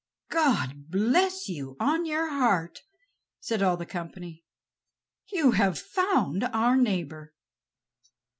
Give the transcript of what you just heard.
"God bless you on your heart," said all the company; "you have found our neighbor."